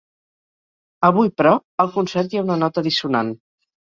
Avui, però, al concert hi ha una nota dissonant.